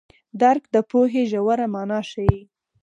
درک د پوهې ژوره مانا ښيي.